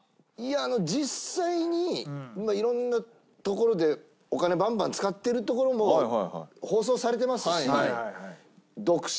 実際に今色んなところでお金バンバン使ってるところも放送されてますし。